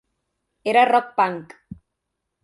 Era rock punk.